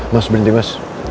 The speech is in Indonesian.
mas berhenti mas